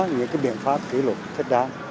những cái biện pháp kỷ lục thích đáng